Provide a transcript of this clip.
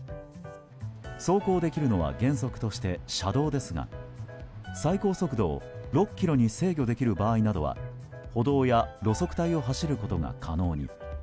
走行できるのは原則として車道ですが最高速度を６キロに制御できる場合などは歩道や路側帯を走ることが可能に。